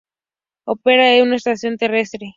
Opera una estación terrestre.